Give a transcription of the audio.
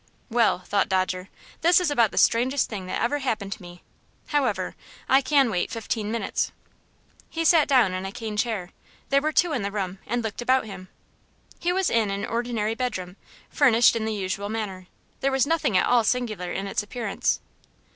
"Well," thought Dodger, "this is about the strangest thing that ever happened to me. However, I can wait fifteen minutes." He sat down on a cane chair there were two in the room and looked about him. He was in an ordinary bedroom, furnished in the usual manner. There was nothing at all singular in its appearance.